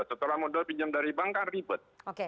setelah modal pinjam dari bank kan ribet